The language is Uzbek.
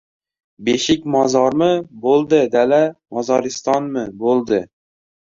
«Beshik mozorim bo‘ldi, dala mozoristonim bo‘ldi».